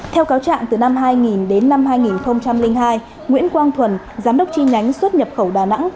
theo cáo trạng từ năm hai nghìn đến năm hai nghìn hai nguyễn quang thuần giám đốc chi nhánh xuất nhập khẩu đà nẵng